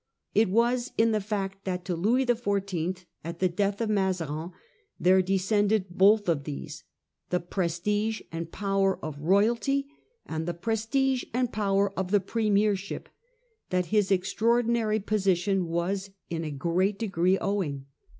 It was in the fact that to Louis XIV., at the death of Mazarin, there descended both of these — the prestige and power of royalty, and the prestige and power of the premier ship, that his extraordinary position was in a great degree owing.